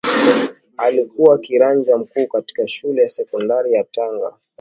alikuwa kiranja mkuu katika shule ya sekondari ya tanga